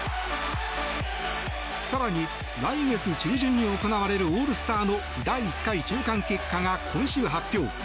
更に来月中旬に行われるオールスターの第１回中間結果が今週、発表。